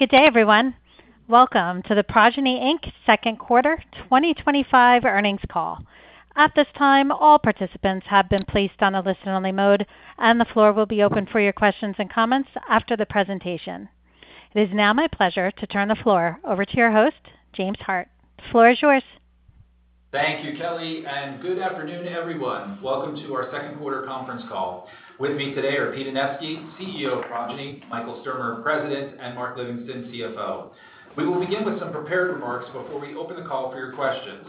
Good day, everyone. Welcome to the Progyny, Inc. Second Quarter 2025 Earnings Call. At this time, all participants have been placed on a listen-only mode, and the floor will be open for your questions and comments after the presentation. It is now my pleasure to turn the floor over to your host, James Hart. The floor is yours. Thank you, Kelly, and good afternoon to everyone. Welcome to our second quarter conference call. With me today are Pete Anevski, CEO of Progyny, Michael Sturmer, President, and Mark Livingston, CFO. We will begin with some prepared remarks before we open the call for your questions.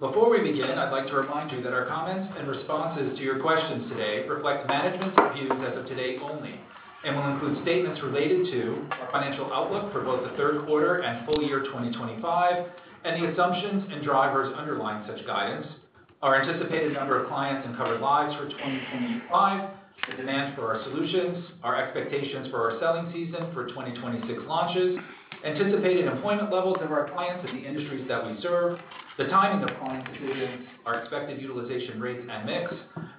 Before we begin, I'd like to remind you that our comments and responses to your questions today reflect management's views as of today only and will include statements related to financial outlook for both the third quarter and full year 2025, and the assumptions and drivers underlying such guidance, our anticipated number of clients and covered lives for 2025, the demand for our solutions, our expectations for our selling season for 2026 launches, anticipated employment levels of our clients in the industries that we serve, the timing of client decisions, our expected utilization rates and mix,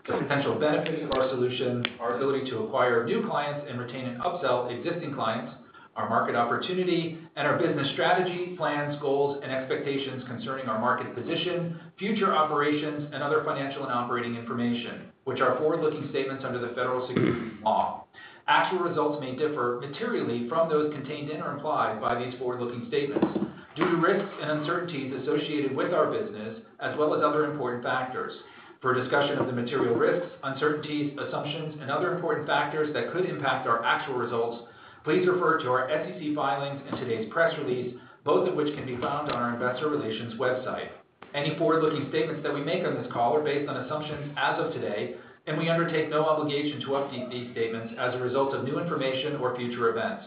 the potential benefit of our solution, our ability to acquire new clients and retain and upsell existing clients, our market opportunity, and our business strategy, plans, goals, and expectations concerning our market position, future operations, and other financial and operating information, which are forward-looking statements under the Federal Securities Law. Actual results may differ materially from those contained in or implied by these forward-looking statements due to risks and uncertainties associated with our business, as well as other important factors. For discussion of the material risks, uncertainties, assumptions, and other important factors that could impact our actual results, please refer to our SEC filings and today's press release, both of which can be found on our investor relations website. Any forward-looking statements that we make on this call are based on assumptions as of today, and we undertake no obligation to update these statements as a result of new information or future events.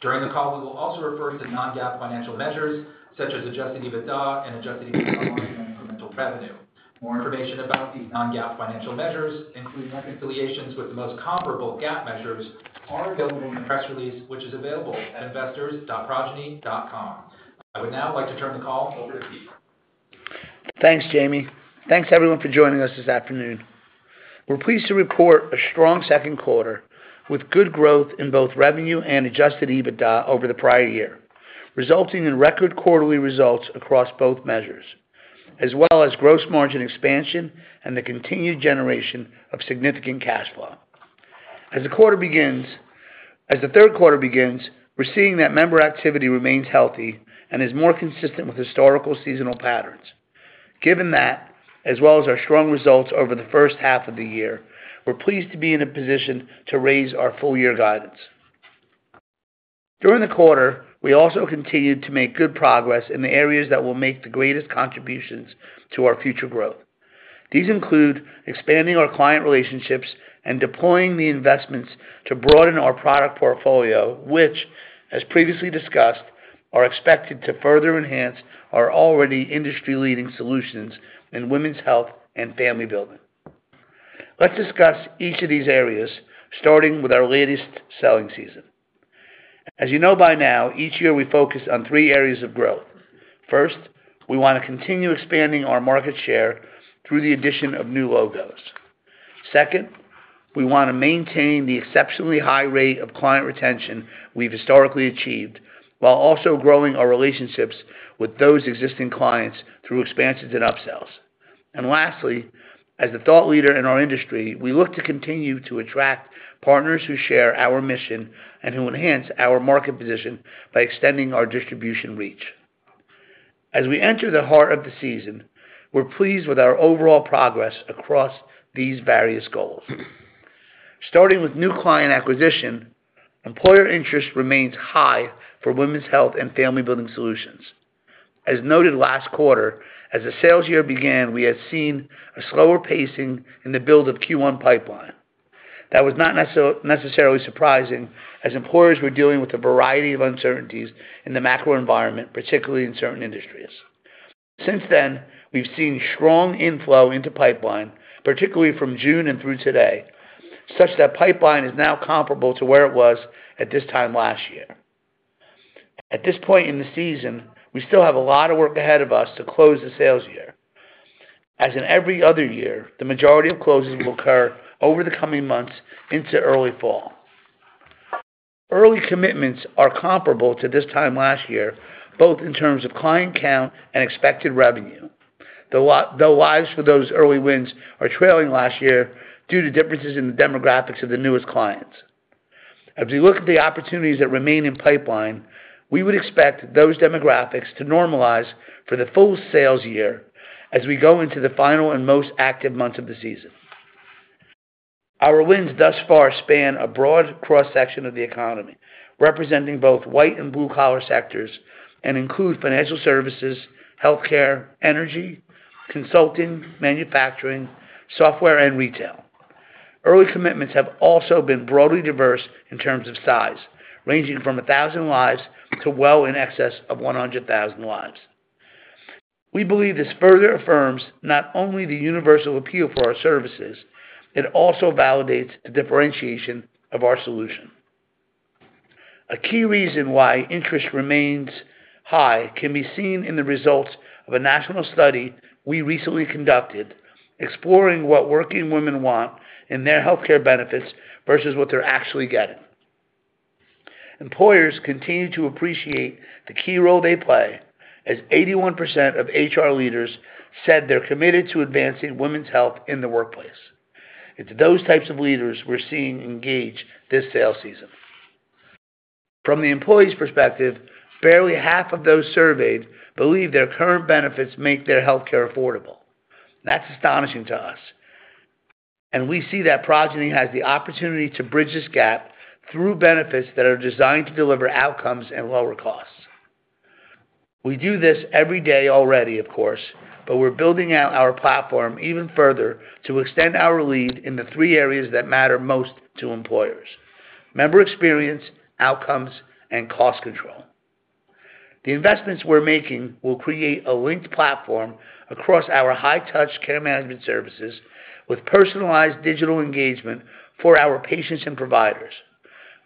During the call, we will also refer to the non-GAAP financial measures, such as adjusted EBITDA and adjusted EBITDA on long-term incremental revenue. More information about these non-GAAP financial measures, including affiliations with the most comparable GAAP measures, is available in the press release, which is available at investors.progyny.com. I would now like to turn the call. Thanks, Jamie. Thanks, everyone, for joining us this afternoon. We're pleased to report a strong second quarter with good growth in both revenue and adjusted EBITDA over the prior year, resulting in record quarterly results across both measures, as well as gross margin expansion and the continued generation of significant cash flow. As the third quarter begins, we're seeing that member activity remains healthy and is more consistent with historical seasonal patterns. Given that, as well as our strong results over the first half of the year, we're pleased to be in a position to raise our full-year guidance. During the quarter, we also continue to make good progress in the areas that will make the greatest contributions to our future growth. These include expanding our client relationships and deploying the investments to broaden our product portfolio, which, as previously discussed, are expected to further enhance our already industry-leading solutions in women's health and family building. Let's discuss each of these areas, starting with our latest selling season. As you know by now, each year we focus on three areas of growth. First, we want to continue expanding our market share through the addition of new logos. Second, we want to maintain the exceptionally high rate of client retention we've historically achieved while also growing our relationships with those existing clients through expansions and upsells. Lastly, as the thought leader in our industry, we look to continue to attract partners who share our mission and who enhance our market position by extending our distribution reach. As we enter the heart of the season, we're pleased with our overall progress across these various goals. Starting with new client acquisition, employer interest remains high for women's health and family building solutions. As noted last quarter, as the sales year began, we had seen a slower pacing in the build of Q1 pipeline. That was not necessarily surprising as employers were dealing with a variety of uncertainties in the macro environment, particularly in certain industries. Since then, we've seen strong inflow into pipeline, particularly from June and through today, such that pipeline is now comparable to where it was at this time last year. At this point in the season, we still have a lot of work ahead of us to close the sales year. As in every other year, the majority of closings will occur over the coming months into early fall. Early commitments are comparable to this time last year, both in terms of client count and expected revenue. Though lives for those early wins are trailing last year due to differences in the demographics of the newest clients. As we look at the opportunities that remain in pipeline, we would expect those demographics to normalize for the full sales year as we go into the final and most active months of the season. Our wins thus far span a broad cross-section of the economy, representing both white and blue-collar sectors, and include financial services, healthcare, energy, consulting, manufacturing, software, and retail. Early commitments have also been broadly diverse in terms of size, ranging from 1,000 lives to well in excess of 100,000 lives. We believe this further affirms not only the universal appeal for our services, it also validates the differentiation of our solution. A key reason why interest remains high can be seen in the results of a national study we recently conducted, exploring what working women want in their healthcare benefits versus what they're actually getting. Employers continue to appreciate the key role they play, as 81% of HR leaders said they're committed to advancing women's health in the workplace. It's those types of leaders we're seeing engage this sales season. From the employees' perspective, barely half of those surveyed believe their current benefits make their healthcare affordable. That's astonishing to us. We see that Progyny has the opportunity to bridge this gap through benefits that are designed to deliver outcomes and lower costs. We do this every day already, of course, but we're building out our platform even further to extend our lead in the three areas that matter most to employers: member experience, outcomes, and cost control. The investments we're making will create a linked platform across our high-touch care management services with personalized digital engagement for our patients and providers.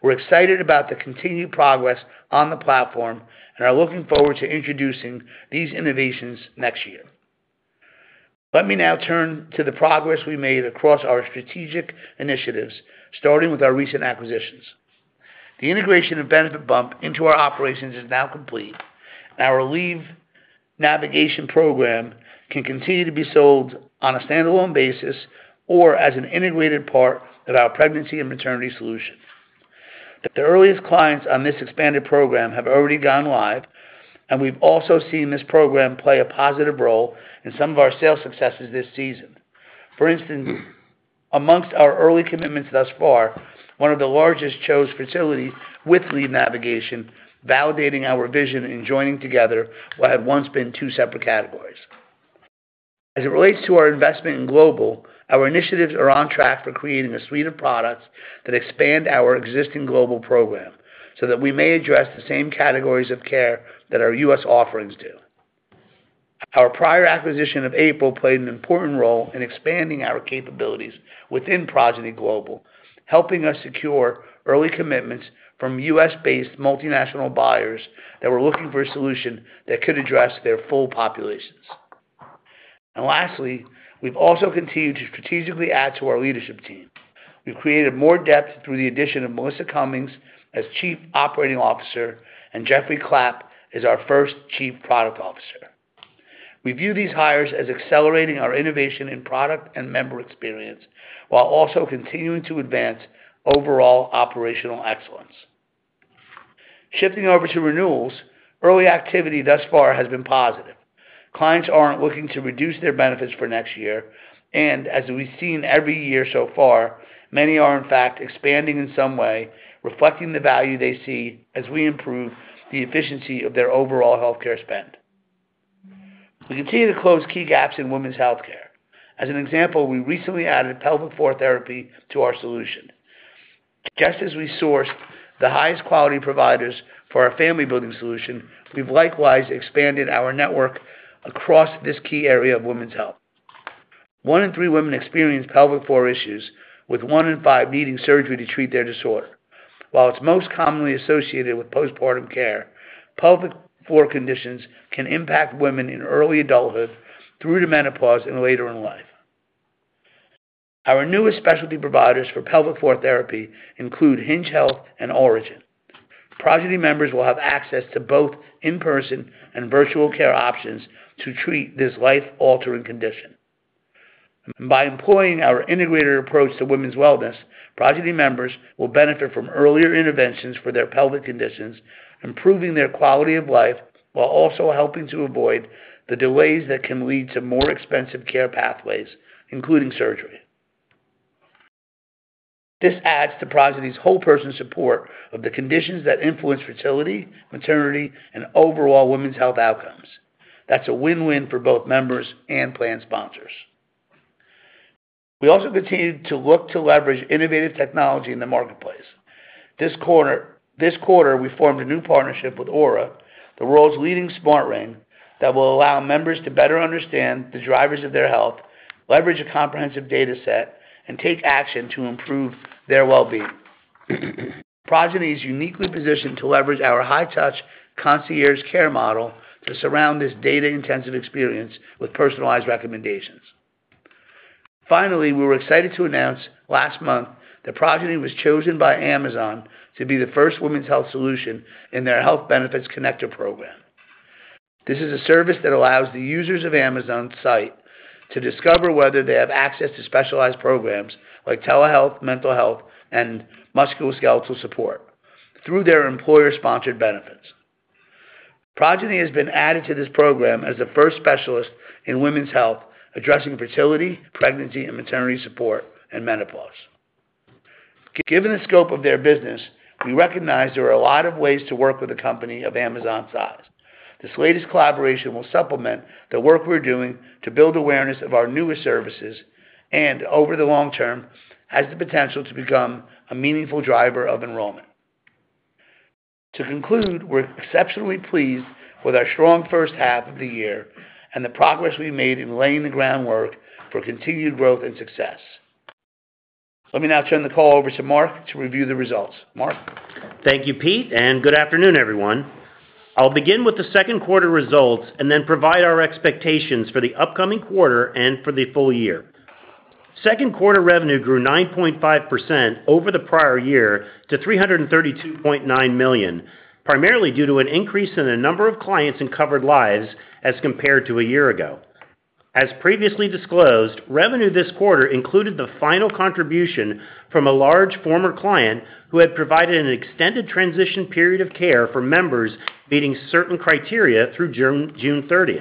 We're excited about the continued progress on the platform and are looking forward to introducing these innovations next year. Let me now turn to the progress we made across our strategic initiatives, starting with our recent acquisitions. The integration of Benefit Bump into our operations is now complete. Our leave navigation program can continue to be sold on a standalone basis or as an integrated part of our pregnancy and maternity solution. The earliest clients on this expanded program have already gone live, and we've also seen this program play a positive role in some of our sales successes this season. For instance, amongst our early commitments thus far, one of the largest chose fertility with lead navigation, validating our vision in joining together what had once been two separate categories. As it relates to our investment in global, our initiatives are on track for creating a suite of products that expand our existing global program so that we may address the same categories of care that our U.S. offerings do. Our prior acquisition of April played an important role in expanding our capabilities within Progyny Global, helping us secure early commitments from U.S.-based multinational buyers that were looking for a solution that could address their full populations. Lastly, we've also continued to strategically add to our leadership team. We've created more depth through the addition of Melissa Cummings as Chief Operating Officer, and Geoffrey Clapp as our first Chief Product Officer. We view these hires as accelerating our innovation in product and member experience while also continuing to advance overall operational excellence. Shifting over to renewals, early activity thus far has been positive. Clients aren't looking to reduce their benefits for next year, and as we've seen every year so far, many are, in fact, expanding in some way, reflecting the value they see as we improve the efficiency of their overall healthcare spend. We continue to close key gaps in women's healthcare. As an example, we recently added pelvic floor therapy to our solution. Just as we sourced the highest quality providers for our family building solution, we've likewise expanded our network across this key area of women's health. One in three women experience pelvic floor issues, with one in five needing surgery to treat their disorder. While it's most commonly associated with postpartum care, pelvic floor conditions can impact women in early adulthood through to menopause and later in life. Our newest specialty providers for pelvic floor therapy include Hinge Health and Origin. Progyny members will have access to both in-person and virtual care options to treat this life-altering condition. By employing our integrated approach to women's wellness, Progyny members will benefit from earlier interventions for their pelvic conditions, improving their quality of life while also helping to avoid the delays that can lead to more expensive care pathways, including surgery. This adds to Progyny's whole-person support of the conditions that influence fertility, maternity, and overall women's health outcomes. That's a win-win for both members and plan sponsors. We also continue to look to leverage innovative technology in the marketplace. This quarter, we formed a new partnership with ŌURA, the world's leading smart ring that will allow members to better understand the drivers of their health, leverage a comprehensive data set, and take action to improve their well-being. Progyny is uniquely positioned to leverage our high-touch concierge care model to surround this data-intensive experience with personalized recommendations. Finally, we were excited to announce last month that Progyny was chosen by Amazon to be the first women's health solution in their Health Benefits Connector program. This is a service that allows the users of Amazon's site to discover whether they have access to specialized programs like telehealth, mental health, and musculoskeletal support through their employer-sponsored benefits. Progyny has been added to this program as the first specialist in women's health addressing fertility, pregnancy, and maternity support, and menopause. Given the scope of their business, we recognize there are a lot of ways to work with a company of Amazon's size. This latest collaboration will supplement the work we're doing to build awareness of our newest services and, over the long term, has the potential to become a meaningful driver of enrollment. To conclude, we're exceptionally pleased with our strong first half of the year and the progress we made in laying the groundwork for continued growth and success. Let me now turn the call over to Mark to review the results. Mark. Thank you, Pete, and good afternoon, everyone. I'll begin with the second quarter results and then provide our expectations for the upcoming quarter and for the full year. Second quarter revenue grew 9.5% over the prior year to $332.9 million, primarily due to an increase in the number of clients and covered lives as compared to a year ago. As previously disclosed, revenue this quarter included the final contribution from a large former client who had provided an extended transition period of care for members meeting certain criteria through June 30.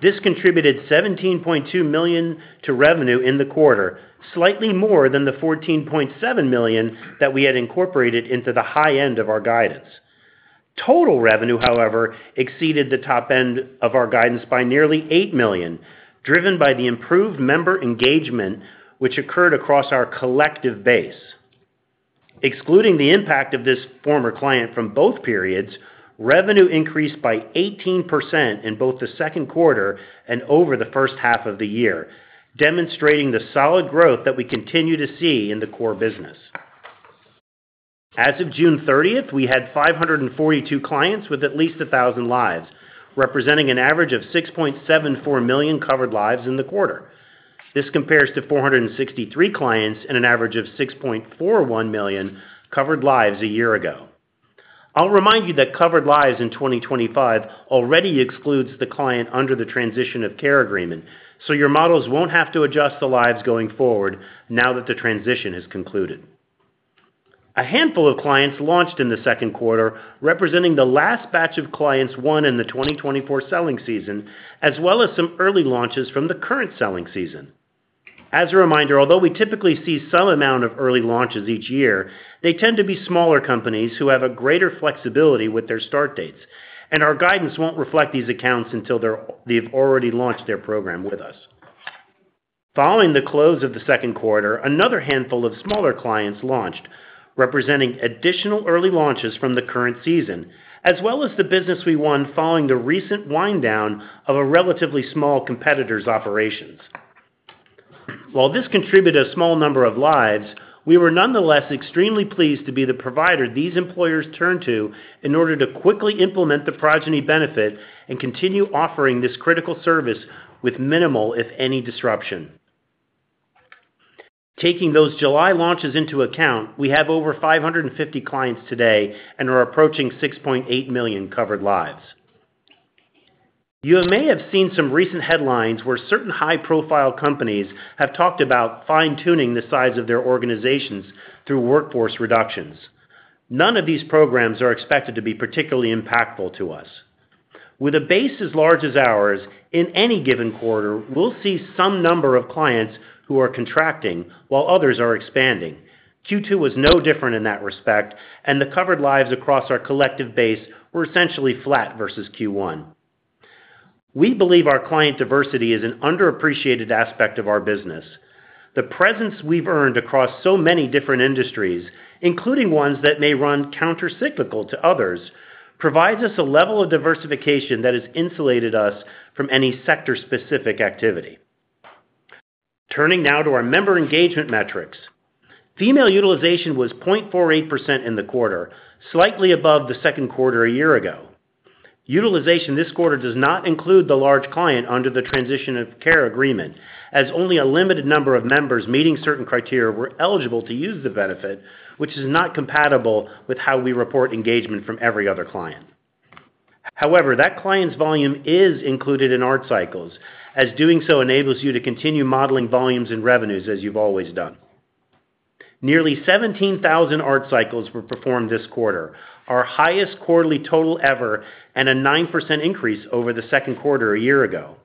This contributed $17.2 million to revenue in the quarter, slightly more than the $14.7 million that we had incorporated into the high end of our guidance. Total revenue, however, exceeded the top end of our guidance by nearly $8 million, driven by the improved member engagement which occurred across our collective base. Excluding the impact of this former client from both periods, revenue increased by 18% in both the second quarter and over the first half of the year, demonstrating the solid growth that we continue to see in the core business. As of June 30, we had 542 clients with at least 1,000 lives, representing an average of 6.74 million covered lives in the quarter. This compares to 463 clients and an average of 6.41 million covered lives a year ago. I'll remind you that covered lives in 2025 already excludes the client under the transition of care agreement, so your models won't have to adjust the lives going forward now that the transition has concluded. A handful of clients launched in the second quarter, representing the last batch of clients won in the 2024 selling season, as well as some early launches from the current selling season. As a reminder, although we typically see some amount of early launches each year, they tend to be smaller companies who have greater flexibility with their start dates, and our guidance won't reflect these accounts until they've already launched their program with us. Following the close of the second quarter, another handful of smaller clients launched, representing additional early launches from the current season, as well as the business we won following the recent wind-down of a relatively small competitor's operations. While this contributed a small number of lives, we were nonetheless extremely pleased to be the provider these employers turned to in order to quickly implement the Progyny benefit and continue offering this critical service with minimal, if any, disruption. Taking those July launches into account, we have over 550 clients today and are approaching 6.8 million covered lives. You may have seen some recent headlines where certain high-profile companies have talked about fine-tuning the size of their organizations through workforce reductions. None of these programs are expected to be particularly impactful to us. With a base as large as ours, in any given quarter, we'll see some number of clients who are contracting while others are expanding. Q2 was no different in that respect, and the covered lives across our collective base were essentially flat versus Q1. We believe our client diversity is an underappreciated aspect of our business. The presence we've earned across so many different industries, including ones that may run countercyclical to others, provides us a level of diversification that has insulated us from any sector-specific activity. Turning now to our member engagement metrics, female utilization was 0.48% in the quarter, slightly above the second quarter a year ago. Utilization this quarter does not include the large client under the transition of care agreement, as only a limited number of members meeting certain criteria were eligible to use the benefit, which is not compatible with how we report engagement from every other client. However, that client's volume is included in our cycles, as doing so enables you to continue modeling volumes and revenues as you've always done. Nearly 17,000 ART cycles were performed this quarter, our highest quarterly total ever, and a 9% increase over the second quarter a year ago.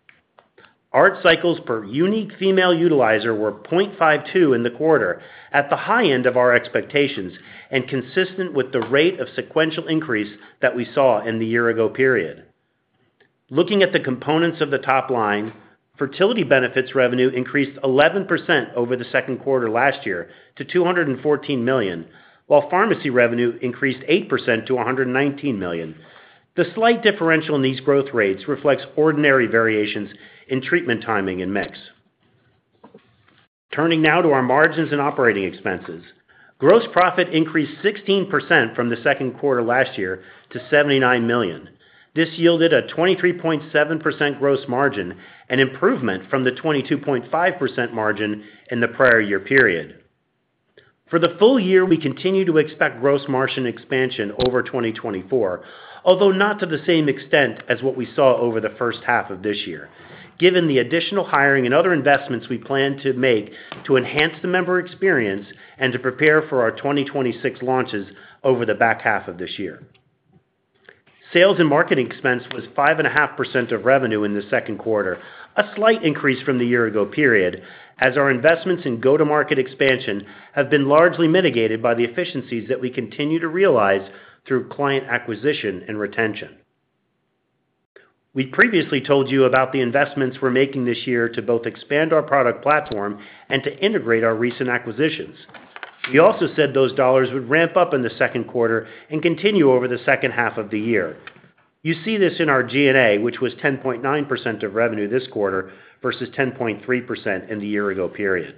ART cycles per unique female utilizer were 0.52 in the quarter, at the high end of our expectations and consistent with the rate of sequential increase that we saw in the year-ago period. Looking at the components of the top line, fertility benefits revenue increased 11% over the second quarter last year to $214 million, while pharmacy revenue increased 8% to $119 million. The slight differential in these growth rates reflects ordinary variations in treatment timing and mix. Turning now to our margins and operating expenses, gross profit increased 16% from the second quarter last year to $79 million. This yielded a 23.7% gross margin, an improvement from the 22.5% margin in the prior year period. For the full year, we continue to expect gross margin expansion over 2024, although not to the same extent as what we saw over the first half of this year, given the additional hiring and other investments we plan to make to enhance the member experience and to prepare for our 2026 launches over the back half of this year. Sales and marketing expense was 5.5% of revenue in the second quarter, a slight increase from the year-ago period, as our investments in go-to-market expansion have been largely mitigated by the efficiencies that we continue to realize through client acquisition and retention. We previously told you about the investments we're making this year to both expand our product platform and to integrate our recent acquisitions. We also said those dollars would ramp up in the second quarter and continue over the second half of the year. You see this in our G&A, which was 10.9% of revenue this quarter versus 10.3% in the year-ago period.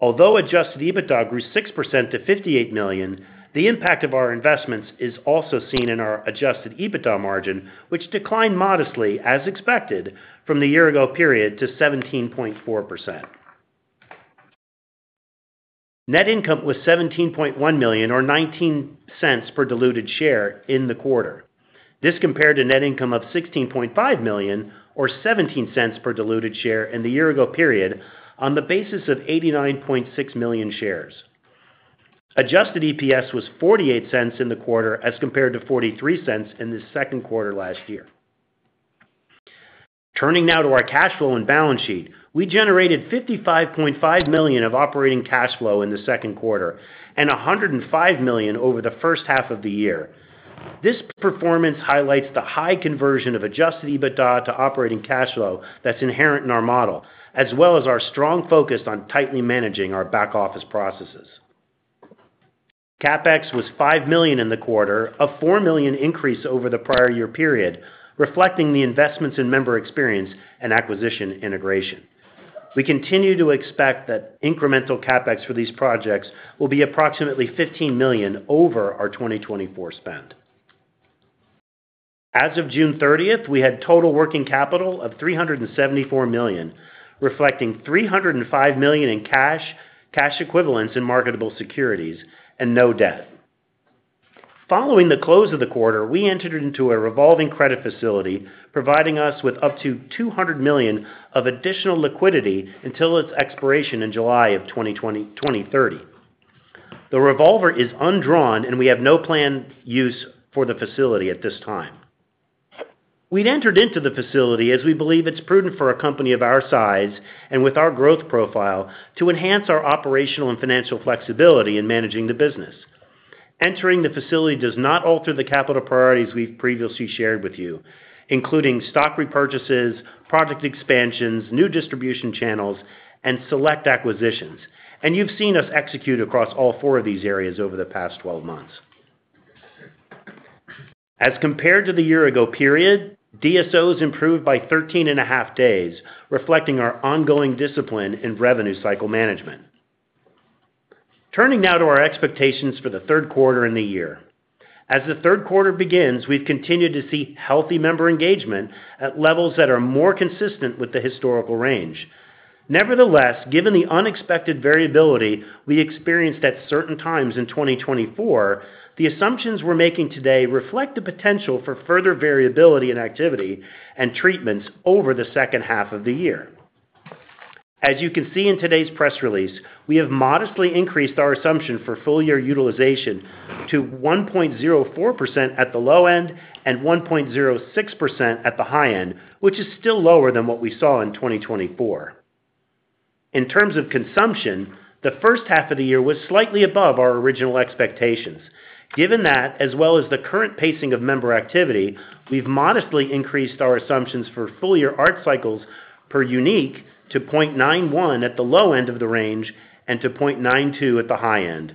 Although adjusted EBITDA grew 6% to $58 million, the impact of our investments is also seen in our adjusted EBITDA margin, which declined modestly, as expected, from the year-ago period to 17.4%. Net income was $17.1 million or $0.19 per diluted share in the quarter. This compared to net income of $16.5 million or $0.17 per diluted share in the year-ago period on the basis of 89.6 million shares. Adjusted EPS was $0.48 in the quarter as compared to $0.43 in the second quarter last year. Turning now to our cash flow and balance sheet, we generated $55.5 million of operating cash flow in the second quarter and $105 million over the first half of the year. This performance highlights the high conversion of adjusted EBITDA to operating cash flow that's inherent in our model, as well as our strong focus on tightly managing our back-office processes. CapEx was $5 million in the quarter, a $4 million increase over the prior year period, reflecting the investments in member experience and acquisition integration. We continue to expect that incremental CapEx for these projects will be approximately $15 million over our 2024 spend. As of June 30th, we had total working capital of $374 million, reflecting $305 million in cash, cash equivalents in marketable securities, and no debt. Following the close of the quarter, we entered into a revolving credit facility, providing us with up to $200 million of additional liquidity until its expiration in July of 2030. The revolver is undrawn, and we have no planned use for the facility at this time. We entered into the facility as we believe it's prudent for a company of our size and with our growth profile to enhance our operational and financial flexibility in managing the business. Entering the facility does not alter the capital priorities we've previously shared with you, including stock repurchases, project expansions, new distribution channels, and select acquisitions. You have seen us execute across all four of these areas over the past 12 months. As compared to the year-ago period, DSOs improved by 13.5 days, reflecting our ongoing discipline in revenue cycle management. Turning now to our expectations for the third quarter in the year. As the third quarter begins, we've continued to see healthy member engagement at levels that are more consistent with the historical range. Nevertheless, given the unexpected variability we experienced at certain times in 2024, the assumptions we're making today reflect the potential for further variability in activity and treatments over the second half of the year. As you can see in today's press release, we have modestly increased our assumption for full-year utilization to 1.04% at the low end and 1.06% at the high end, which is still lower than what we saw in 2024. In terms of consumption, the first half of the year was slightly above our original expectations. Given that, as well as the current pacing of member activity, we've modestly increased our assumptions for full-year ART cycles per unique to 0.91 at the low end of the range and to 0.92 at the high end.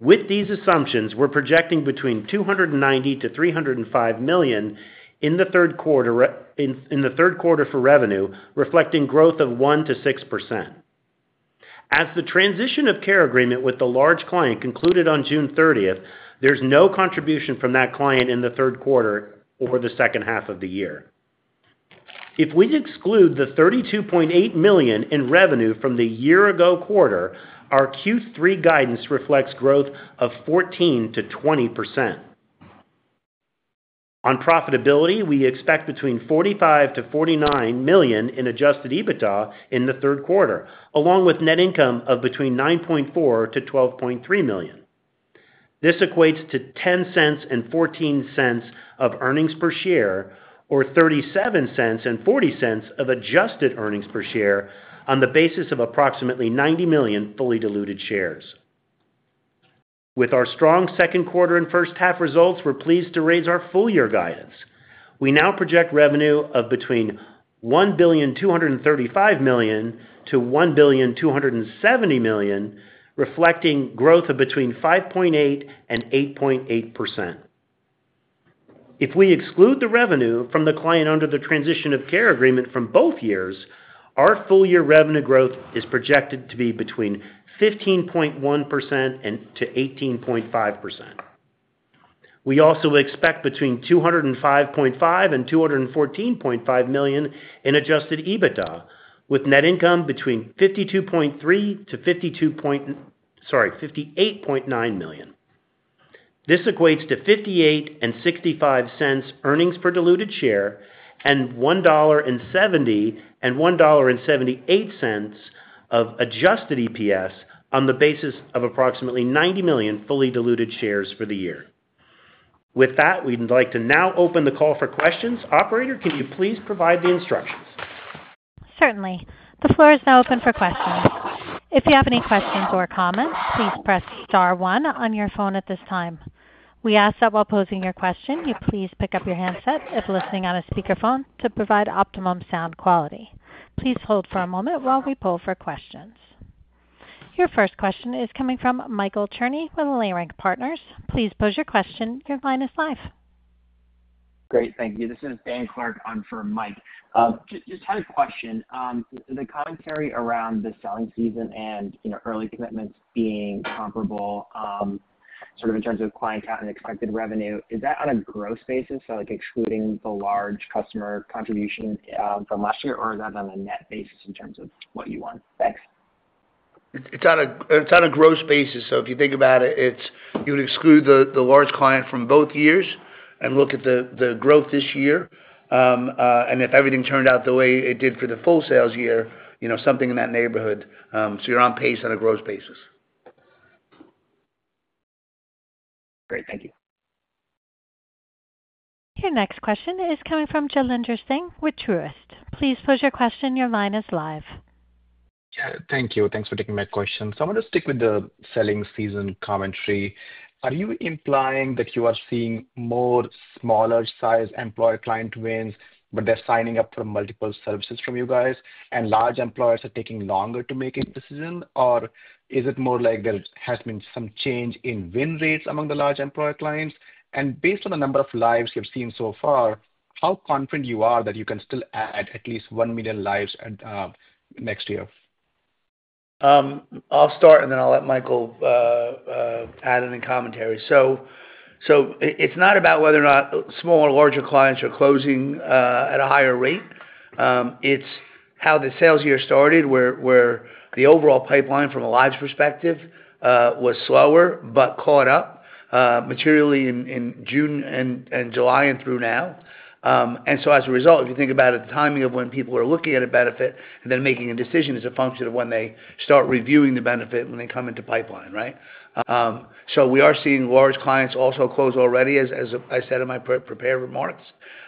With these assumptions, we're projecting between $290 million to $305 million in the third quarter for revenue, reflecting growth of 1%-6%. As the transition of care agreement with the large client concluded on June 30, there's no contribution from that client in the third quarter or the second half of the year. If we exclude the $32.8 million in revenue from the year-ago quarter, our Q3 guidance reflects growth of 14%-20%. On profitability, we expect between $45 million-$49 million in adjusted EBITDA in the third quarter, along with net income of between $9.4 million-$12.3 million. This equates to $0.10 and $0.14 of earnings per share or $0.37 and $0.40 of adjusted earnings per share on the basis of approximately 90 million fully diluted shares. With our strong second quarter and first half results, we're pleased to raise our full-year guidance. We now project revenue of between $1,235 million-$1,270 million, reflecting growth of between 5.8% and 8.8%. If we exclude the revenue from the client under the transition of care agreement from both years, our full-year revenue growth is projected to be between 15.1% and 18.5%. We also expect between $205.5 million and $214.5 million in adjusted EBITDA, with net income between $52.3 million-$58.9 million. This equates to $0.58 and $0.65 earnings per diluted share and $1.70 and $1.78 of adjusted EPS on the basis of approximately 90 million fully diluted shares for the year. With that, we'd like to now open the call for questions. Operator, can you please provide the instructions? Certainly. The floor is now open for questions. If you have any questions or comments, please press star one on your phone at this time. We ask that while posing your question, you please pick up your handset if listening on a speakerphone to provide optimum sound quality. Please hold for a moment while we poll for questions. Your first question is coming from Michael Cherny with Leerink Partners. Please pose your question. Your line is live. Great, thank you. This is Dan Clark on for Mike. Just had a question. The commentary around the selling season and, you know, early commitments being comparable, sort of in terms of client count and expected revenue, is that on a gross basis, so like excluding the large customer contribution from last year, or is that on a net basis in terms of what you want? Thanks. It's on a gross basis. If you think about it, you would exclude the large client from both years and look at the growth this year. If everything turned out the way it did for the full sales year, you know, something in that neighborhood. You're on pace on a gross basis. Great, thank you. Your next question is coming from Jailendra Singh with Truist. Please pose your question. Your line is live. Thank you. Thanks for taking my question. I'm going to stick with the selling season commentary. Are you implying that you are seeing more smaller-sized employer client wins, but they're signing up for multiple services from you guys, and large employers are taking longer to make a decision, or is it more like there has been some change in win rates among the large employer clients? Based on the number of lives you've seen so far, how confident are you that you can still add at least 1 million lives next year? I'll start, then I'll let Michael add in the commentary. It's not about whether or not smaller or larger clients are closing at a higher rate. It's how the sales year started, where the overall pipeline from a lives perspective was slower but caught up materially in June and July and through now. As a result, if you think about it, the timing of when people are looking at a benefit and then making a decision is a function of when they start reviewing the benefit and when they come into pipeline, right? We are seeing large clients also close already, as I said in my prepared remarks.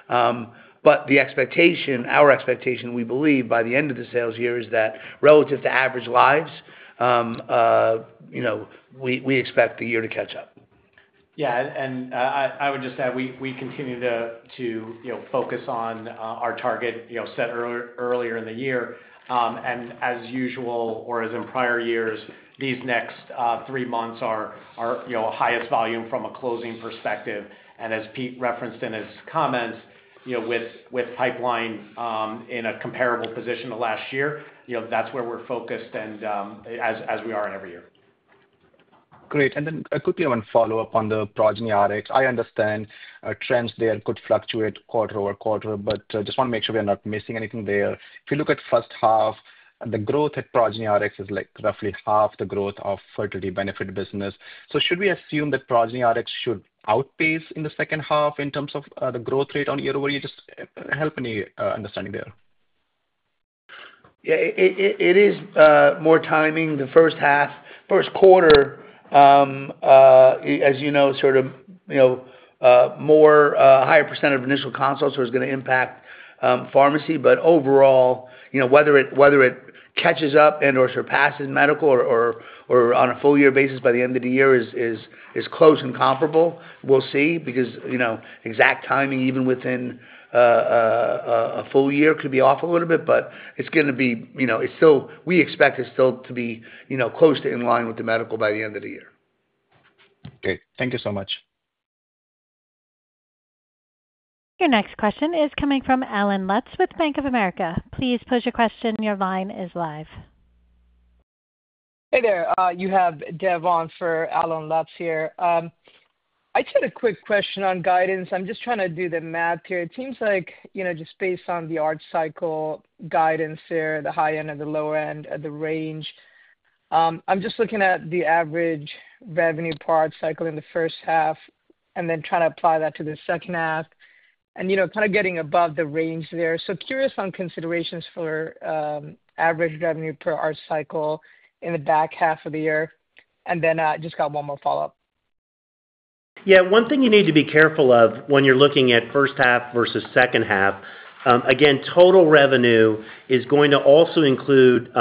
The expectation, our expectation, we believe, by the end of the sales year is that relative to average lives, you know, we expect the year to catch up. Yeah, I would just add, we continue to focus on our target set earlier in the year. As in prior years, these next three months are our highest volume from a closing perspective. As Pete referenced in his comments, with pipeline in a comparable position to last year, that's where we're focused, as we are in every year. Great. Quickly, I want to follow up on the Progyny Rx. I understand trends there could fluctuate quarter over quarter, but I just want to make sure we are not missing anything there. If you look at the first half, the growth at Progyny Rx is like roughly half the growth of the fertility benefit business. Should we assume that Progyny Rx should outpace in the second half in terms of the growth rate year-over-year? Just help me understand there. Yeah, it is more timing the first half, first quarter. As you know, a higher percentage of initial consults was going to impact pharmacy. Overall, whether it catches up and/or surpasses medical on a full-year basis by the end of the year is close and comparable. We'll see because exact timing even within a full year could be off a little bit, but it's going to be, we expect it still to be close to in line with the medical by the end of the year. Okay, thank you so much. Your next question is coming from Allen Lutz with Bank of America. Please pose your question. Your line is live. Hey there. You have Devon for Allen Lutz here. I just had a quick question on guidance. I'm just trying to do the math here. It seems like, you know, just based on the ART cycle guidance there, the high end and the low end of the range. I'm just looking at the average revenue per ART cycle in the first half and then trying to apply that to the second half, and, you know, kind of getting above the range there. Curious on considerations for average revenue per ART cycle in the back half of the year. I just got one more follow-up. Yeah, one thing you need to be careful of when you're looking at first half versus second half, again, total revenue is going to also include, you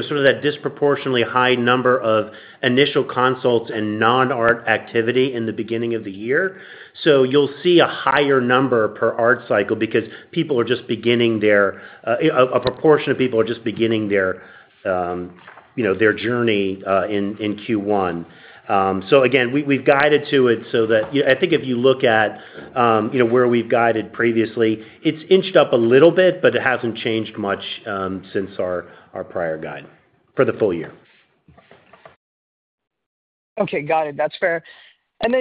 know, that disproportionately high number of initial consults and non-ART activity in the beginning of the year. You'll see a higher number per ART cycle because people are just beginning their, a proportion of people are just beginning their journey in Q1. We've guided to it so that I think if you look at where we've guided previously, it's inched up a little bit, but it hasn't changed much since our prior guide for the full year. Okay, got it. That's fair.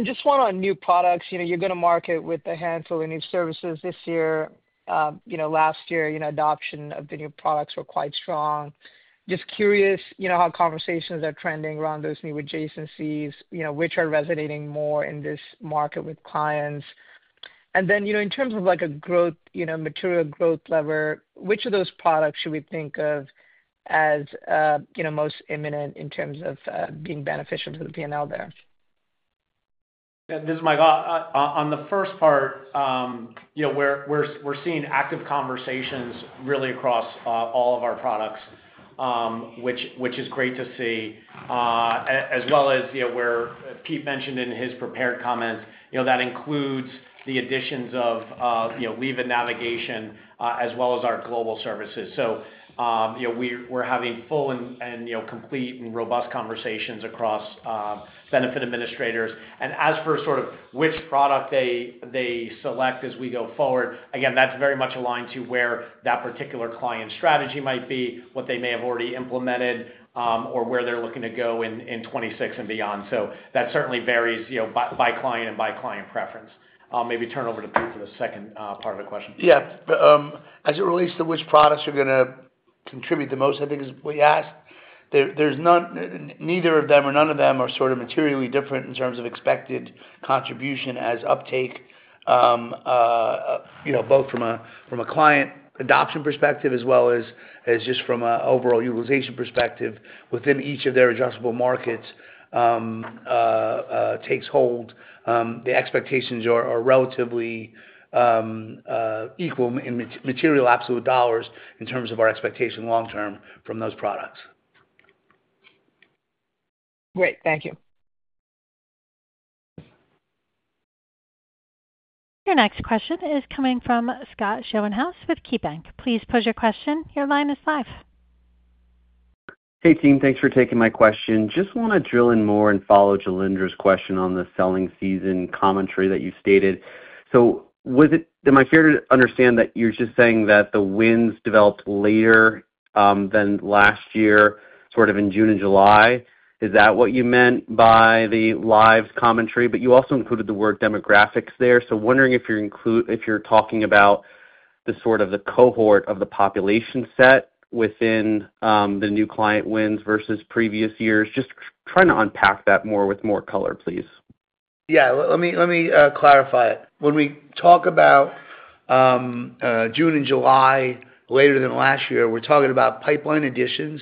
Just one on new products. You're going to market with a handful of new services this year. Last year, adoption of the new products was quite strong. Just curious how conversations are trending around those new adjacencies, which are resonating more in this market with clients. In terms of material growth lever, which of those products should we think of as most imminent in terms of being beneficial to the P&L there? Yeah, this is Mike. On the first part, we're seeing active conversations really across all of our products, which is great to see, as well as where Pete mentioned in his prepared comments, that includes the additions of leave and navigation, as well as our global services. We're having full, complete, and robust conversations across benefit administrators. As for which product they select as we go forward, again, that's very much aligned to where that particular client's strategy might be, what they may have already implemented, or where they're looking to go in 2026 and beyond. That certainly varies by client and by client preference. Maybe turn over to Pete for the second part of the question. Yeah, as it relates to which products are going to contribute the most, I think is what you asked. Neither of them or none of them are materially different in terms of expected contribution as uptake, both from a client adoption perspective as well as just from an overall utilization perspective within each of their addressable markets takes hold. The expectations are relatively equal in material absolute dollars in terms of our expectation long-term from those products. Great, thank you. Your next question is coming from Scott Schoenhaus with KeyBanc. Please pose your question. Your line is live. Hey team, thanks for taking my question. Just want to drill in more and follow Jailendra's question on the selling season commentary that you stated. Am I fair to understand that you're just saying that the wins developed later than last year, sort of in June and July? Is that what you meant by the lives commentary? You also included the word demographics there. Wondering if you're talking about the sort of the cohort of the population set within the new client wins versus previous years. Just trying to unpack that more with more color, please. Yeah, let me clarify it. When we talk about June and July later than last year, we're talking about pipeline additions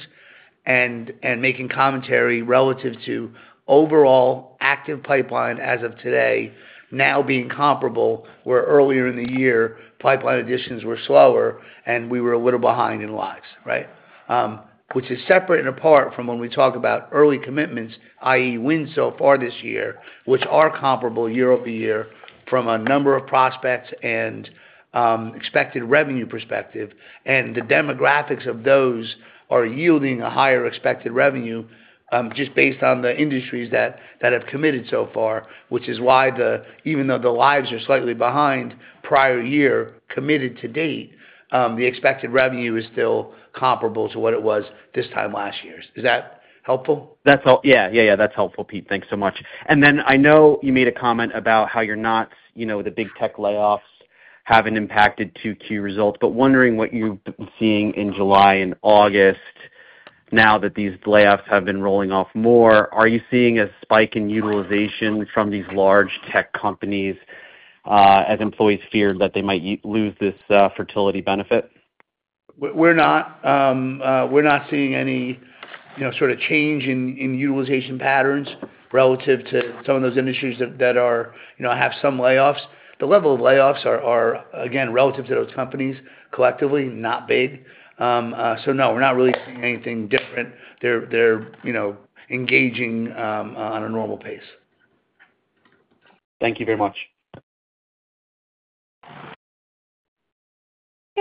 and making commentary relative to overall active pipeline as of today, now being comparable where earlier in the year, pipeline additions were slower and we were a little behind in lives, right? This is separate and apart from when we talk about early commitments, i.e., wins so far this year, which are comparable year-over-year from a number of prospects and expected revenue perspective. The demographics of those are yielding a higher expected revenue just based on the industries that have committed so far, which is why even though the lives are slightly behind prior year committed to date, the expected revenue is still comparable to what it was this time last year. Is that helpful? Yeah, that's helpful, Pete. Thanks so much. I know you made a comment about how you're not, you know, the big tech layoffs haven't impacted 2Q results, but wondering what you're seeing in July and August now that these layoffs have been rolling off more. Are you seeing a spike in utilization from these large tech companies as employees fear that they might lose this fertility benefit? We're not seeing any sort of change in utilization patterns relative to some of those industries that have some layoffs. The level of layoffs are, again, relative to those companies collectively, not big. No, we're not really seeing anything different. They're engaging on a normal pace. Thank you very much.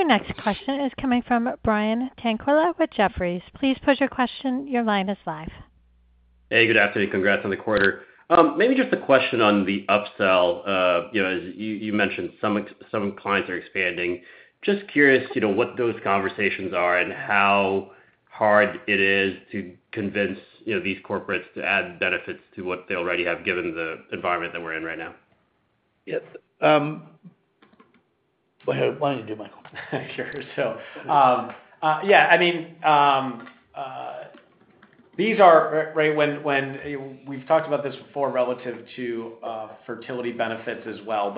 Your next question is coming from Brian Tanquilut with Jefferies. Please pose your question. Your line is live. Hey, good afternoon. Congrats on the quarter. Maybe just a question on the upsell. As you mentioned, some clients are expanding. Just curious what those conversations are and how hard it is to convince these corporates to add benefits to what they already have, given the environment that we're in right now. I wanted to do my question, I'm sure. These are, right, when we've talked about this before relative to fertility benefits as well.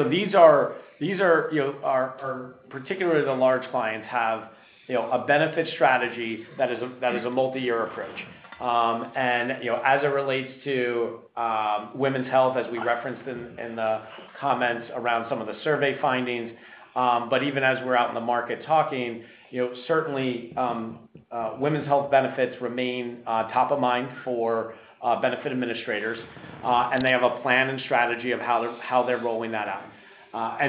These are, particularly the large clients have a benefit strategy that is a multi-year approach. As it relates to women's health, as we referenced in the comments around some of the survey findings, even as we're out in the market talking, certainly, women's health benefits remain top of mind for benefit administrators. They have a plan and strategy of how they're rolling that out.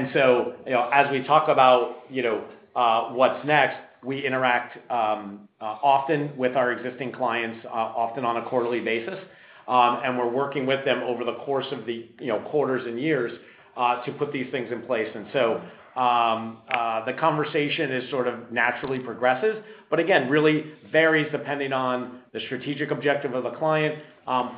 As we talk about what's next, we interact often with our existing clients, often on a quarterly basis. We're working with them over the course of the quarters and years to put these things in place. The conversation is sort of naturally progressive, but again, really varies depending on the strategic objective of the client,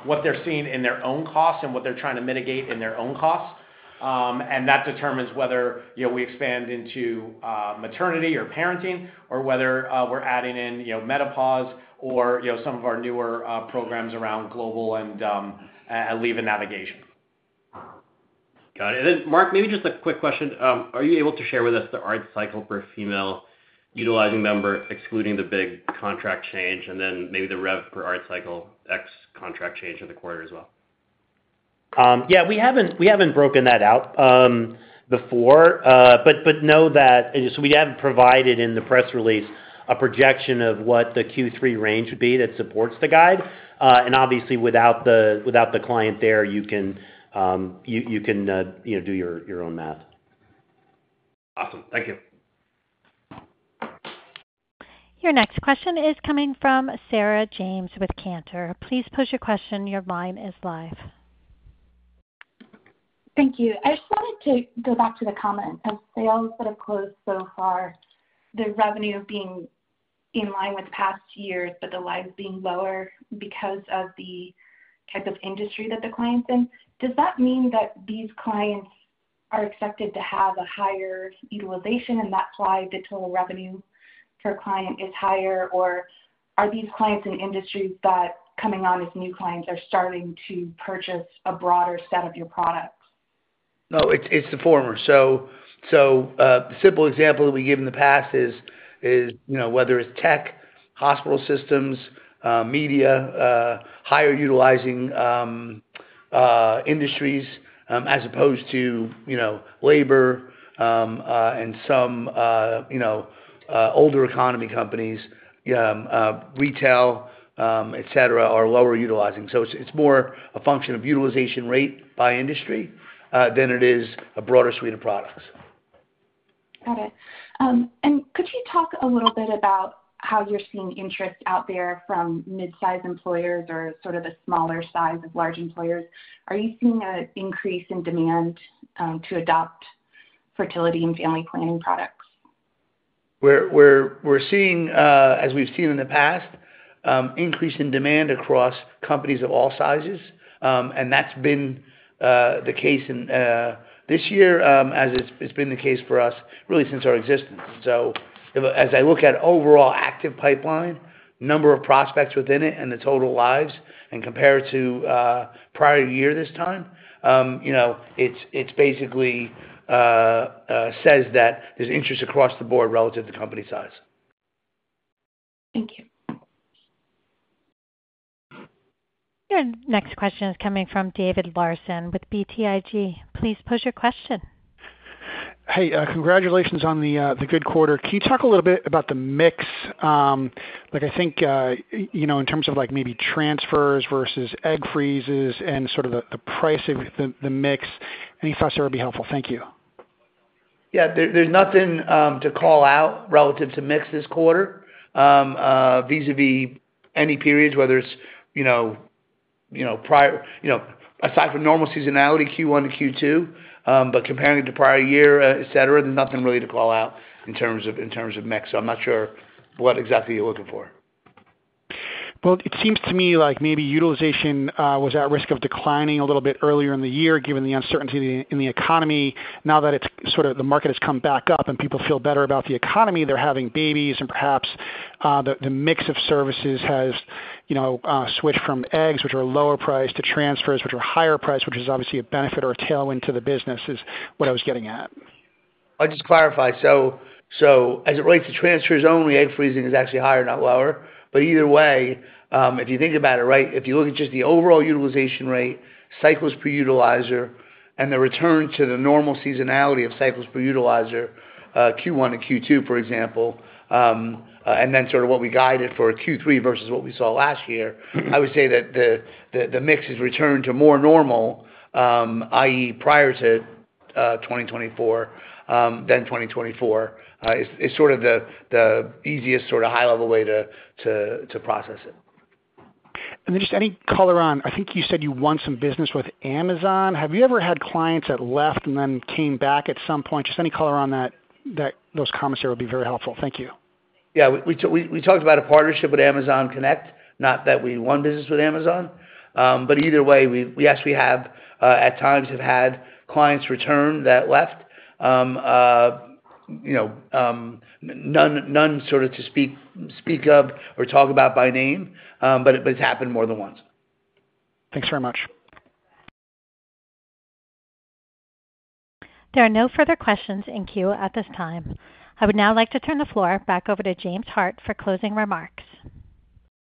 what they're seeing in their own costs and what they're trying to mitigate in their own costs. That determines whether we expand into maternity or parenting or whether we're adding in menopause or some of our newer programs around global and leave and navigation. Got it. Mark, maybe just a quick question. Are you able to share with us the ART cycle for female utilizing member, excluding the big contract change, and then maybe the rev for ART cycle X contract change of the quarter as well? Yeah, we haven't broken that out before, but know that we have provided in the press release a projection of what the Q3 range would be that supports the guidance. Obviously, without the client there, you can do your own math. Awesome. Thank you. Your next question is coming from Sarah James with Cantor. Please pose your question. Your line is live. Thank you. I just wanted to go back to the comment because they all sort of close so far, the revenue being in line with past years, but the lives being lower because of the type of industry that the clients are in. Does that mean that these clients are expected to have a higher utilization and that's why the total revenue per client is higher, or are these clients in industries that coming on as new clients are starting to purchase a broader set of your products? No, it's the former. A simple example that we give in the past is, you know, whether it's tech, hospital systems, media, higher utilizing industries, as opposed to, you know, labor and some, you know, older economy companies, retail, etc., are lower utilizing. It's more a function of utilization rate by industry than it is a broader suite of products. Got it. Could you talk a little bit about how you're seeing interest out there from mid-size employers or sort of the smaller size of large employers? Are you seeing an increase in demand to adopt fertility and family building products? We're seeing, as we've seen in the past, an increase in demand across companies of all sizes. That's been the case this year, as it's been the case for us really since our existence. As I look at overall active pipeline, number of prospects within it, and the total lives, and compare it to prior year this time, it basically says that there's interest across the board relative to company size. Thank you. Your next question is coming from David Larsen with BTIG. Please pose your question. Hey, congratulations on the good quarter. Can you talk a little bit about the mix? I think, you know, in terms of maybe transfers versus egg freezes and sort of the price of the mix, any thoughts there would be helpful. Thank you. Yeah, there's nothing to call out relative to mix this quarter, vis-à-vis any periods, whether it's, you know, aside from normal seasonality, Q1 to Q2. Comparing it to prior year, etc., nothing really to call out in terms of mix. I'm not sure what exactly you're looking for. It seems to me like maybe utilization was at risk of declining a little bit earlier in the year, given the uncertainty in the economy. Now that the market has come back up and people feel better about the economy, they're having babies, and perhaps the mix of services has switched from eggs, which are lower priced, to transfers, which are higher priced, which is obviously a benefit or a tailwind to the business, is what I was getting at. I'll just clarify. As it relates to transfers only, egg freezing is actually higher, not lower. If you think about it, if you look at just the overall utilization rate, cycles per utilizer, and the return to the normal seasonality of cycles per utilizer, Q1 and Q2, for example, and then what we guided for Q3 versus what we saw last year, I would say that the mix has returned to more normal, i.e., prior to 2024, than 2024, which is sort of the easiest high-level way to process it. Could you provide any color on, I think you said you won some business with Amazon. Have you ever had clients that left and then came back at some point? Any color on those comments there would be very helpful. Thank you. Yeah, we talked about a partnership with Amazon, not that we won business with Amazon. Either way, yes, we have at times had clients return that left. None sort of to speak of or talk about by name, but it's happened more than once. Thanks very much. There are no further questions in queue at this time. I would now like to turn the floor back over to James Hart for closing remarks.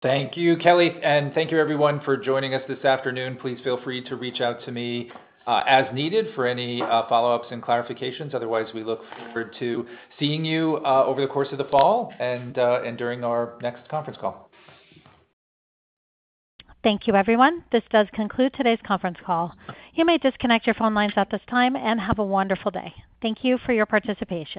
Thank you, Kelly, and thank you everyone for joining us this afternoon. Please feel free to reach out to me as needed for any follow-ups and clarifications. Otherwise, we look forward to seeing you over the course of the fall and during our next conference call. Thank you, everyone. This does conclude today's conference call. You may disconnect your phone lines at this time and have a wonderful day. Thank you for your participation.